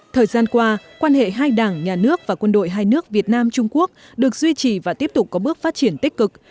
thời gian qua quan hệ hai đảng nhà nước và quân đội hai nước việt nam trung quốc được duy trì và tiếp tục có bước phát triển tích cực